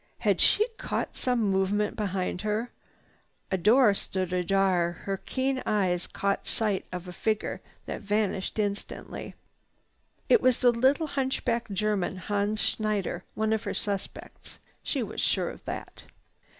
Had she caught some movement behind her? A door stood ajar. Her keen eyes caught sight of a figure that vanished instantly. It was the little hunchback German, Hans Schneider, one of her suspects,—she was sure of that.